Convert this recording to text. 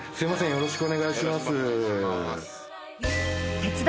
よろしくお願いします。